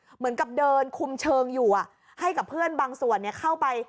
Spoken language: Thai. เหมือนกับเดินคุมเชิงอยู่ให้กับเพื่อนบางส่วนเข้าไป